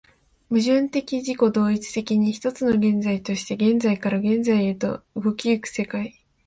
矛盾的自己同一的に、一つの現在として現在から現在へと動き行く世界